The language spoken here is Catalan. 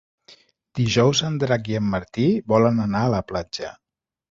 Dijous en Drac i en Martí volen anar a la platja.